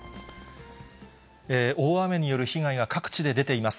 大雨による被害が各地で出ています。